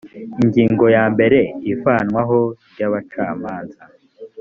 ingingo ya mbere ivanwaho ry abacamanza